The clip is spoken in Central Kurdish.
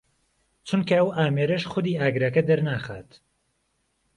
چونکە ئەو ئامێرەش خودی ئاگرەکە دەرناخات